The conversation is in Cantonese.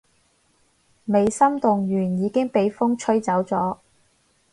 未心動完已經畀風吹走咗